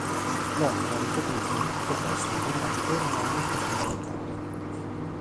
Londra ricoprì in tutto questo un ruolo ancora una volta fondamentale.